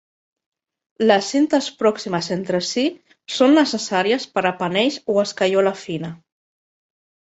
Les cintes pròximes entre si són necessàries per a panells o escaiola fina.